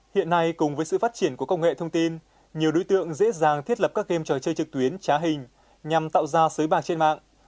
hiện nay cùng với sự phát triển của công nghệ thông tin nhiều đối tượng dễ dàng thiết lập các game trò chơi trực tuyến trá hình nhằm tạo ra sới bạc trên mạng